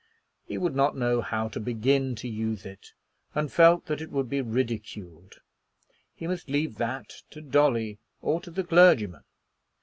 He would not know how to begin to use it, and felt that it would be ridiculed. He must leave that to Dolly or to the clergyman.